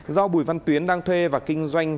do bùi văn tuyến đang thuê và kinh doanh